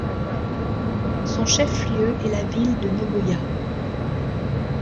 Son chef-lieu est la ville de Nogoyá.